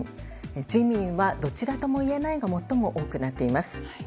自民はどちらともいえないが最も多くなっています。